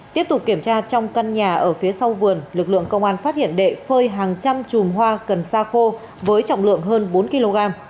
tiếp tục kiểm tra trong căn nhà ở phía sau vườn lực lượng công an phát hiện đệ phơi hàng trăm chùm hoa cần sa khô với trọng lượng hơn bốn kg